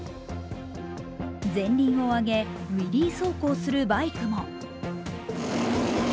前輪を上げ、ウイリー走行するバイクも。